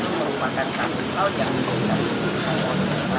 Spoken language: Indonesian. merupakan satu satu yang bisa dihidupkan